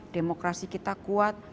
demokrasi kita kuat